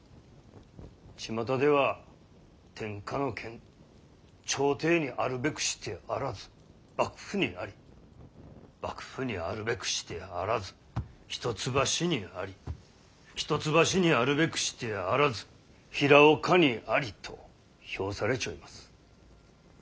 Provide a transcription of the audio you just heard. ちまたでは「天下の権朝廷に在るべくして在らず幕府に在り幕府に在るべくして在らず一橋に在り一橋に在るべくして在らず平岡に在り」と評されちょいもす。